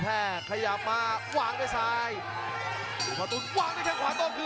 แต่ไม่ใช่เลยครับท่านผู้ชมครับ